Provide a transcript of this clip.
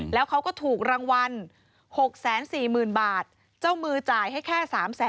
แล้วเขาก็ถูกรางวัล๖๔๐๐๐บาทเจ้ามือจ่ายให้แค่๓แสน